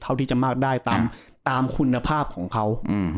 ที่จะมากได้ตามคุณภาพของเขา